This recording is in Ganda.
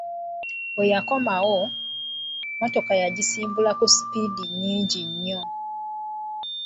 Bwe yakomawo, mmotoka yagisimbula ku sipiidi nyingi nnyo.